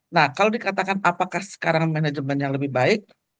nah kalau dikatakan apakah sekarang manajemen yang lebih baik